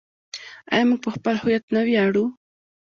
آیا موږ په خپل هویت نه ویاړو؟